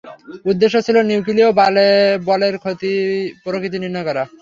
উদ্দেশ্য ছিল, নিউক্লীয় বলের প্রকৃতি নির্ণয় করা।